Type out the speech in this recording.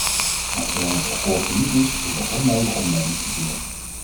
Want zolang het akkoord er niet is, is er onnodig omleidingsverkeer.